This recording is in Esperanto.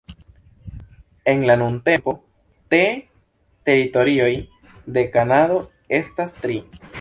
En la nuntempo, te teritorioj de Kanado estas tri.